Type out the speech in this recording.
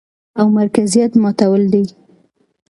او مرکزيت ماتول دي،